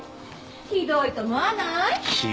ひどいと思わない？